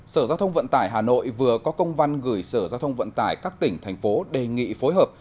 sở giao thông vận tải hà nội vừa có công văn gửi sở giao thông vận tải các tỉnh thành phố đề nghị phối hợp